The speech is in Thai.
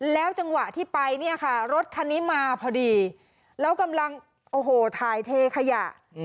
แล้วจังหวะที่ไปเนี่ยค่ะรถคันนี้มาพอดีแล้วกำลังโอ้โหถ่ายเทขยะ